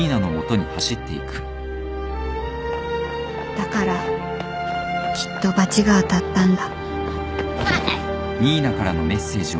だからきっと罰が当たったんだ